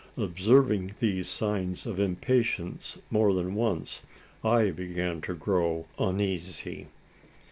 Observing these signs of impatience more than once, I began to grow uneasy.